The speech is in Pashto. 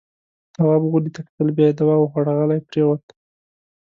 تواب غولي ته کتل. بيا يې دوا وخوړه، غلی پرېووت.